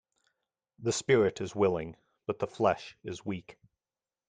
The spirit is willing but the flesh is weak.